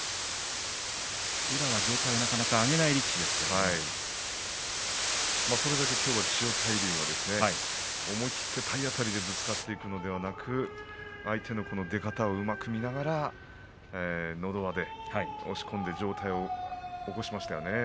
宇良は上体をなかなかそれだけきょうは千代大龍は思い切って体当たりでぶつかっていくのではなく相手の出方をうまく見ながらのど輪で押し込んで上体を起こしましたね。